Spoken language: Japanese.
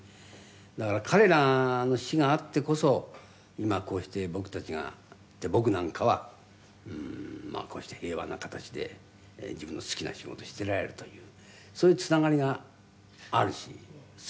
「だから彼らの死があってこそ今こうして僕たちがって僕なんかはまあこうして平和な形で自分の好きな仕事をしていられるというそういうつながりがあるしすぐ思っちゃうわけね」